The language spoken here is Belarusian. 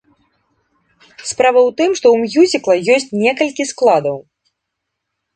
Справа ў тым, што ў мюзікла ёсць некалькі складаў.